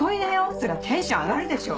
そりゃテンション上がるでしょ。